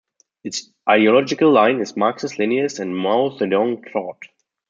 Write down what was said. Its ideological line is Marxist-Leninist and Mao Zedong Thought.